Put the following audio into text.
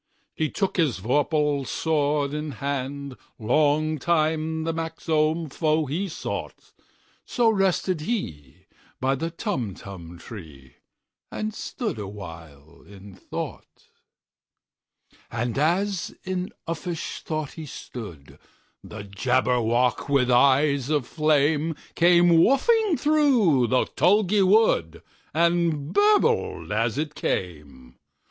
He took his vorpal sword in hand:Long time the manxome foe he sought—So rested he by the Tumtum tree, And stood awhile in thought. And as in uffish thought he stood, The Jabberwock, with eyes of flame, Came whiffling through the tulgey wood, And burbled as it came!